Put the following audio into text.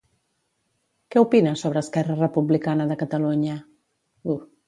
Què opina sobre Esquerra Republicana de Catalunya?